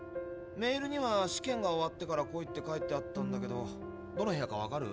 メールには「試験が終わってから来い」って書いてあったんだけどどの部屋かわかる？